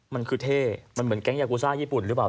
มันคือเท่มันเหมือนแก๊งยากูซ่าญี่ปุ่นหรือเปล่า